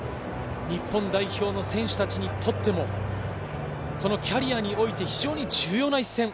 日本代表の選手たちにとっても、このキャリアにおいて非常に重要な一戦。